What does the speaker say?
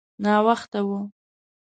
ناوخته و.